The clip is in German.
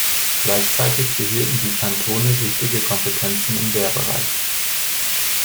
Gleichzeitig behielten die Kantone wichtige Kompetenzen im Wehrbereich.